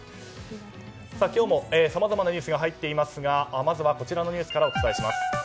さて、今日もさまざまなニュースが入っていますがまずはこちらのニュースからお伝えします。